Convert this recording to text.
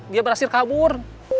dia berhasil kabur